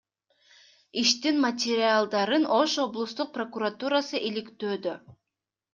Иштин материалдарын Ош облустук прокуратурасы иликтөөдө.